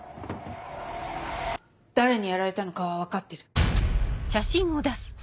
誰にやられたのかは分かってる。